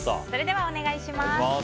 それでは、お願いします。